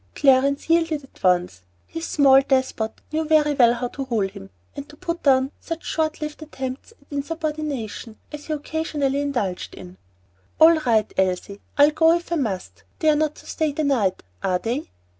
Clarence yielded at once. His small despot knew very well how to rule him and to put down such short lived attempts at insubordination as he occasionally indulged in. "All right, Elsie, I'll go if I must. They're not to stay the night, are they?"